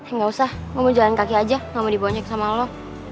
engga usah gue mau jalan kaki aja gak mau diboncek sama lo